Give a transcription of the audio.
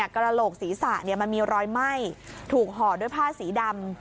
กระโหลกศีรษะมันมีรอยไหม้ถูกห่อด้วยผ้าสีดำ